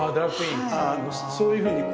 そういうふうにこう。